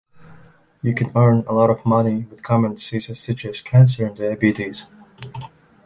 You can earn a lot of money with common diseases such as cancer and diabetes.